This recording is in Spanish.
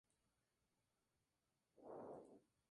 La economía es dominada por las pequeñas y medianas empresas.